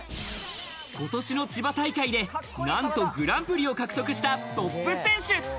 今年の千葉大会でなんとグランプリを獲得したトップ選手。